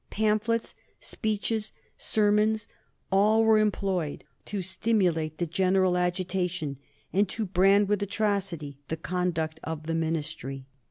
Pamphlets, speeches, sermons, all were employed to stimulate the general agitation and to brand with atrocity the conduct of the Ministry.